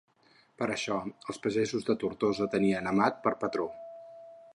Per això, els pagesos de Tortosa tenien Amat per patró.